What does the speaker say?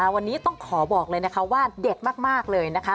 วันนี้ต้องขอบอกเลยนะคะว่าเด็ดมากเลยนะคะ